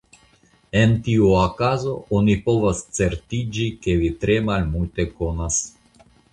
En tiu okazo, oni povas certiĝi ke vi tre malmulte konas.